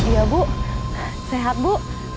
ya bu sehat bu